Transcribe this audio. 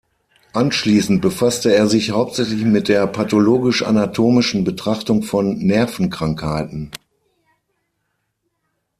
Anschließend befasste er sich hauptsächlich mit der pathologisch-anatomischen Betrachtung von Nervenkrankheiten.